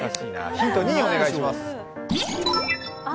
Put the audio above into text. ヒント２、お願いします。